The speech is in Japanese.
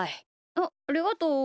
あっありがとう。